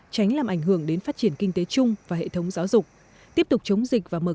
tránh làm ảnh hưởng đến phát triển kinh tế chung và hệ thống giáo dục tiếp tục chống dịch và mở